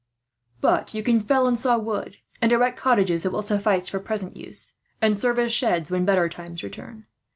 But you can fell and saw wood, and erect cottages that will suffice for present use, and serve as sheds when better times return.